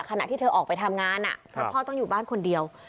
ขณะที่เธอออกไปทำงานเพราะพ่อต้องอยู่บ้านคนเดียว